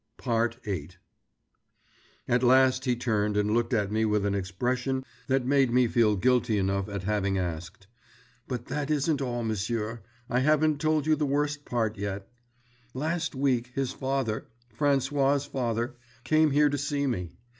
VIII At last he turned and looked at me with an expression that made me feel guilty enough at having asked. "But that isn't all, m'sieur; I haven't told you the worst part yet. Last week his father—François's father—came here to see me.